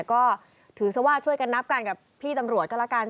ก็ถือซะว่าช่วยกันนับกันกับพี่ตำรวจก็แล้วกัน